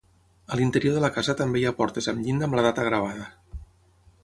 A l'interior de la casa també hi ha portes amb llinda amb la data gravada.